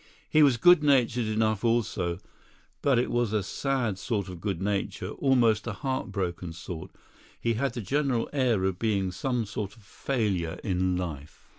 He was good natured enough also, but it was a sad sort of good nature, almost a heart broken sort he had the general air of being some sort of failure in life.